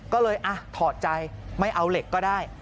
ก็เลยถอดใจไม่เอาเหล็กก็ได้